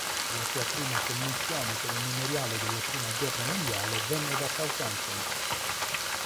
La sua prima commissione per un memoriale della prima guerra mondiale venne da Southampton.